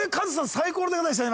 最高の出方でした。